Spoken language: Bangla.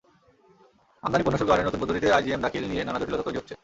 আমদানি পণ্য শুল্কায়নে নতুন পদ্ধতিতে আইজিএম দাখিল নিয়ে নানা জটিলতা তৈরি হচ্ছে।